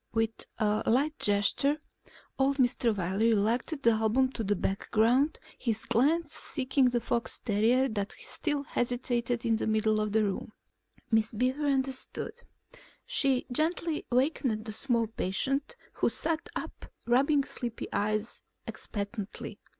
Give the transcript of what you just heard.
With a light gesture old Mr. Wiley relegated the album to the background, his glance seeking the fox terrier that still hesitated in the middle of the room. Miss Beaver understood. She gently wakened the small patient, who sat up rubbing sleepy eyes expectantly.